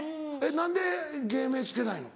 何で芸名付けないの？